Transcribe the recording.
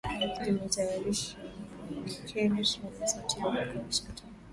Imetayarishwa na Kennes Bwire, Sauti Ya Amerika, Washington